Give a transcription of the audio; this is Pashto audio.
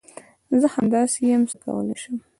زه همداسي یم ، څه کولی شې ؟